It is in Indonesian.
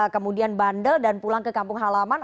kemudian bandel dan pulang ke kampung halaman